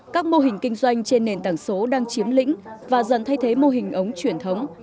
các mô hình kinh doanh trên nền tảng số đang chiếm lĩnh và dần thay thế mô hình ống truyền thống